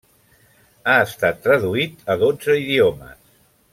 Ha estat traduït a dotze idiomes.